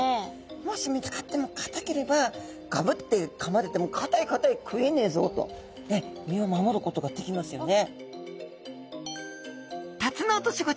もし見つかってもかたければガブってかまれてもかたいかたい食えねえぞと身を守ることができますよね。